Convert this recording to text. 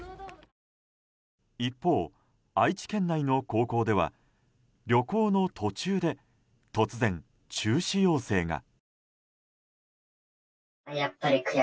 一方、愛知県内の高校では旅行の途中で突然の中止要請が。